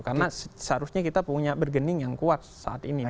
karena seharusnya kita punya bargaining yang kuat saat ini